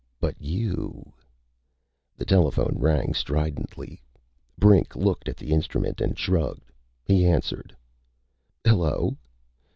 But you " The telephone rang stridently. Brink looked at the instrument and shrugged. He answered. "Hello....